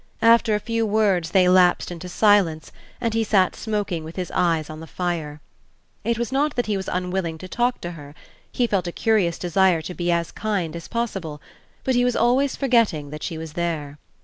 After a few words they lapsed into silence and he sat smoking with his eyes on the fire. It was not that he was unwilling to talk to her; he felt a curious desire to be as kind as possible; but he was always forgetting that she was there.